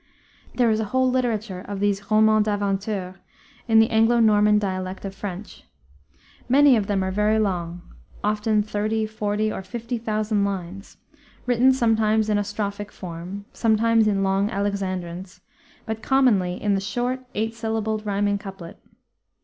There is a whole literature of these romans d' aventure in the Anglo Norman dialect of French. Many of them are very long often thirty, forty, or fifty thousand lines written sometimes in a strophic form, sometimes in long Alexandrines, but commonly in the short, eight syllabled rhyming couplet.